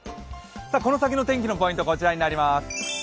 この先の天気のポイント、こちらになります。